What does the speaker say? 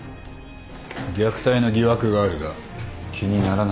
虐待の疑惑があるが気にならないのか？